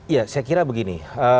ya saya kira begini